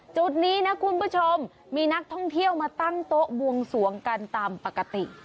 จุดนี้นะคุณผู้ชมมีนักท่องเที่ยวมาตั้งโต๊ะบวงสวงกันตามปกติ